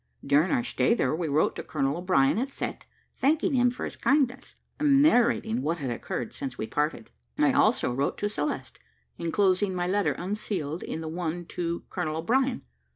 During our stay there, we wrote to Colonel O'Brien at Cette, thanking him for his kindness, and narrating what had occurred since we parted I also wrote to Celeste, enclosing my letter unsealed in the one to Colonel O'Brien.